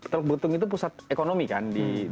teluk betung itu pusat ekonomi kan di bandar lampung